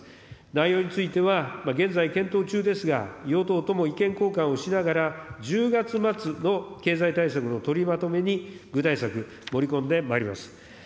内容については、現在、検討中ですが、与党とも意見交換をしながら、１０月末の経済対策の取りまとめに具体策、盛り込んでまいります。